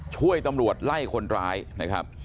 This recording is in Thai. ช่วยตำรวจไล่คนร้ายนะครับ